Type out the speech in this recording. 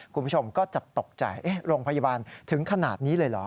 คุณผู้ชมก็จะตกใจโรงพยาบาลถึงขนาดนี้เลยเหรอ